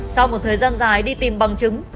sau một thời gian dài đi tìm bằng chứng